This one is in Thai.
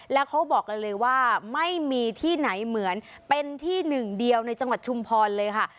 แล้วเขาบอกกันเลยว่าไม่มีที่ไหนเหมือนเป็นที่หนึ่งเดียวในจังหวัดชุมพรเลยค่ะ